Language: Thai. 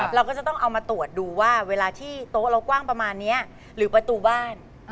เราก็จะต้องเอามาตรวจดูว่าเวลาที่โต๊ะเรากว้างประมาณนี้หรือประตูบ้าน